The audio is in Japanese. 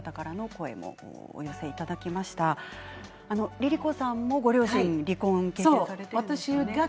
ＬｉＬｉＣｏさんもご両親離婚、経験されているんですよね。